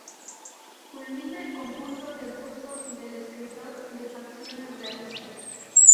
Culmina el conjunto el busto del escritor, de facciones realistas.